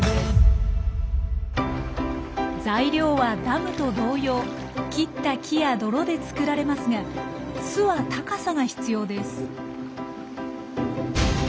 材料はダムと同様切った木や泥で作られますが巣は高さが必要です。